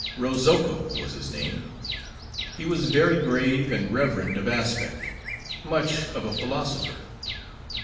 Rozoko was his name. He was very grave, and reverend of aspect; much of a philosopher.